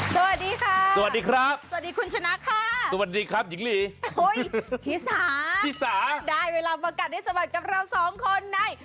สวัสดีค่ะสวัสดีครับสวัสดีคุณชนะค่ะสวัสดีครับหญิงลีชิสาชิสาได้เวลามากัดให้สะบัดกับเราสองคนใน